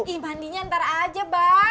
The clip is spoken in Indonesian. ih mandinya ntar aja mbak